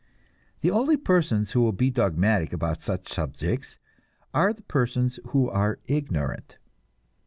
The only persons who will be dogmatic about such subjects are the persons who are ignorant.